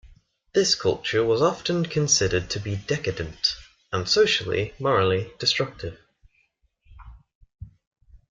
This culture was often considered to be decadent, and socially, morally, destructive.